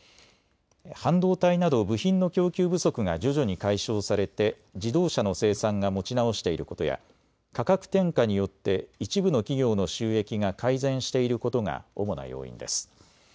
半導体など部品の供給不足が徐々に解消されて自動車の生産が持ち直していることや価格転嫁によって一部の企業の収益が改善していることが主な要因です。